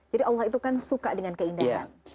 jadi allah itu kan suka dengan keindahan